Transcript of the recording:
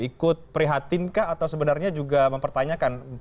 ikut prihatinkah atau sebenarnya juga mempertanyakan